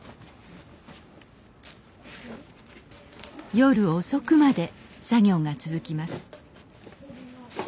夜遅くまで作業が続きます